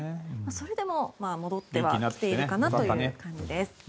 それでも戻ってきてはいるかなという感じです。